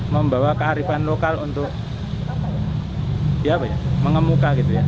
membawa kearifan lokal untuk mengemuka